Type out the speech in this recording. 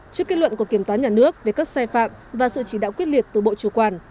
trước kết luận của kiểm toán nhà nước về các sai phạm và sự chỉ đạo quyết liệt từ bộ chủ quản